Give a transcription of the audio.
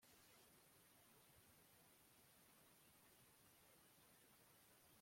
mana yacu, twarabyiyumviye n'amatwi yacu